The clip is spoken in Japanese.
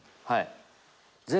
はい。